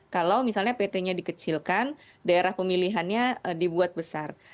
kalau misalnya pt nya dikecilkan daerah pemilihannya dibuat besar